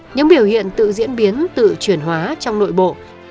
những biểu hiện tự diễn biến tự chuyển hóa trong nội bộ